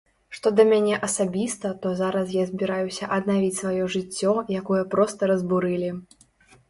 Што да мяне асабіста, то зараз я збіраюся аднавіць сваё жыццё, якое проста разбурылі.